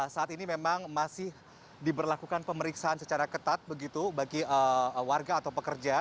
saat ini memang masih diberlakukan pemeriksaan secara ketat begitu bagi warga atau pekerja